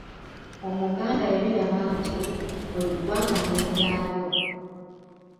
Omuganda yabiraba nti, “Buli ggwanga n’ebyalyo”.